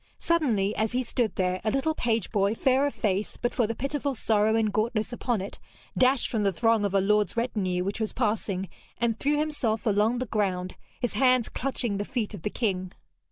Suddenly, as he stood there, a little page boy, fair of face but for the pitiful sorrow and gauntness upon it, dashed from the throng of a lord's retinue which was passing and threw himself along the ground, his hands clutching the feet of the king.